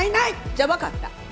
じゃあ分かった